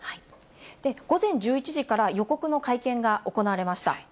午前１１時から予告の会見が行われました。